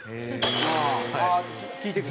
ああ聞いてくる？